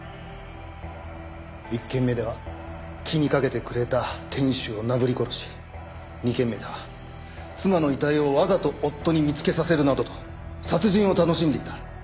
１件目では気にかけてくれた店主をなぶり殺し２件目では妻の遺体をわざと夫に見つけさせるなどと殺人を楽しんでいた。